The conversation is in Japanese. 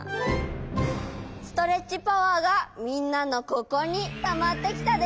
ストレッチパワーがみんなのここにたまってきたでしょ？